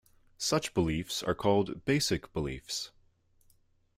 Such beliefs are called basic beliefs.